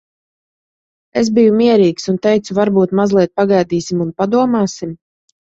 Es biju mierīgs. Un teicu, "Varbūt mazliet pagaidīsim un padomāsim?